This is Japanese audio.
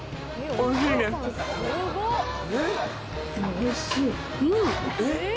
・おいしい。